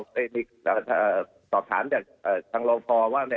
ดีกว่าข้อสดทานเนี่ยทางโรงพอว่าเนี่ย